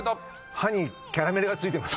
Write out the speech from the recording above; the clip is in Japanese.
歯にキャラメルがついてます。